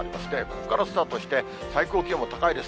ここからスタートして、最高気温も高いです。